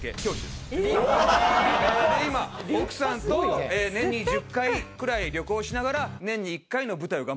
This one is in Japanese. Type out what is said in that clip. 今奥さんと年に１０回くらい旅行しながらなんや？